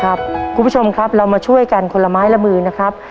คุณผู้ชมครับเรามาช่วยกันคนละไม้ละมือนะครับ